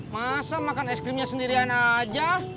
masa makan es krimnya sendirian aja